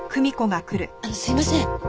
あのすいません。